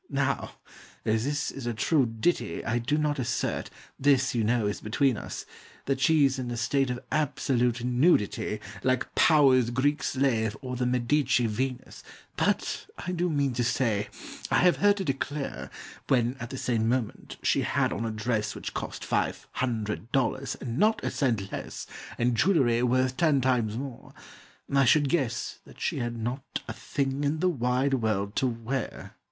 Now, as this is a true ditty, I do not assert this, you know, is between us That she's in a state of absolute nudity, Like Powers' Greek Slave, or the Medici Venus; But I do mean to say, I have heard her declare, When, at the same moment, she had on a dress Which cost five hundred dollars, and not a cent less, And jewelry worth ten times more, I should guess, That she had not a thing in the wide world to wear!